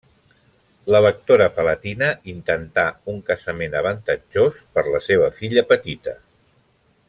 L'electora palatina intentà un casament avantatjós per la seva filla petita.